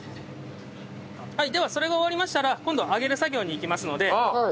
はいではそれが終わりましたら今度は揚げる作業にいきますので。